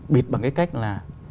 bịt bằng cái cách là